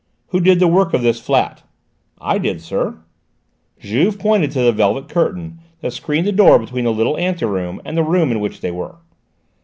"Who did the work of this flat?" "I did, sir." Juve pointed to the velvet curtain that screened the door between the little anteroom and the room in which they were.